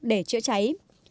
để chữa cháy